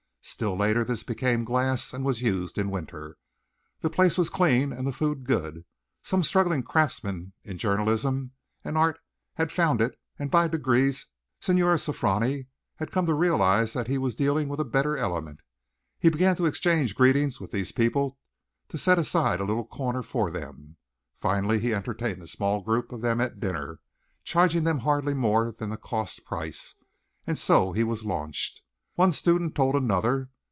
Still later this became glass and was used in winter. The place was clean and the food good. Some struggling craftsman in journalism and art had found it and by degrees Signor Sofroni had come to realize that he was dealing with a better element. He began to exchange greetings with these people to set aside a little corner for them. Finally he entertained a small group of them at dinner charging them hardly more than cost price and so he was launched. One student told another.